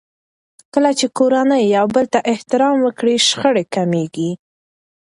کله چې کورنۍ يو بل ته احترام وکړي، شخړې کمېږي.